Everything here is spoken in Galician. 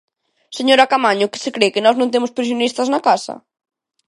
¿Señora Caamaño, que se cre, que nós non temos pensionistas na casa?